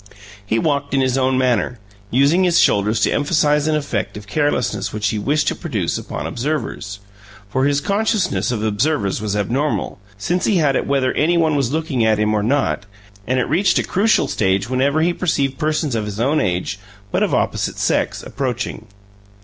He walked in his own manner, using his shoulders to emphasize an effect of carelessness which he wished to produce upon observers. For his consciousness of observers was abnormal, since he had it whether any one was looking at him or not, and it reached a crucial stage whenever he perceived persons of his own age, but of opposite sex, approaching.